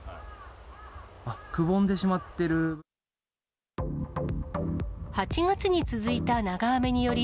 くぼんでしまっている。